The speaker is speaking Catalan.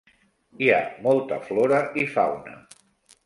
Hi ha molta flora i fauna.